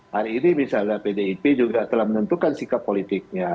hari ini misalnya pdip juga telah menentukan sikap politiknya